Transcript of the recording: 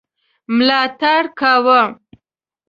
ملاتړ کاوه.